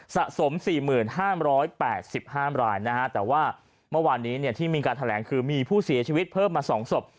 สะสม๔๕๘๕รายนะฮะแต่ว่าเมื่อวานนี้ที่มีการแถลงคือมีผู้เสียชีวิตเพิ่มมา๒ศพ